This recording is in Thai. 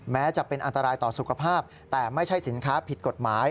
แม้จะเป็นอันตรายต่อสุขภาพแต่ไม่ใช่สินค้าผิดกฎหมาย